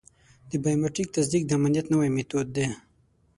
د بایومټریک تصدیق د امنیت نوی میتود دی.